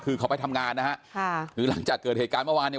คือเขาไปทำงานนะฮะค่ะคือหลังจากเกิดเหตุการณ์เมื่อวานเนี่ย